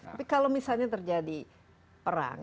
tapi kalau misalnya terjadi perang